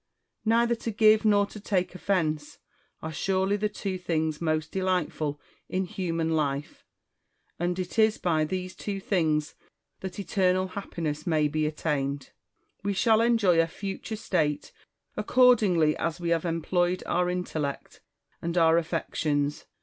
Neither to give nor to take offence, are surely the two things most delightful in human life ; and it is by these two things that eternal happiness may be attained. We shall enjoy a future state accordingly as we have employed our intellect and our affections.